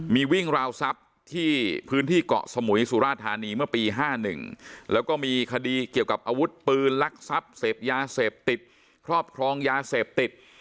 มีวิ่งราวทรัพย์ที่พื้นที่เกาะสมุยสุราธานีเมื่อปี๕๑แล้วก็มีคดีเกี่ยวกับอาวุธปืนลักทรัพย์เสพยาเสพติดครอบครองยาเสพติด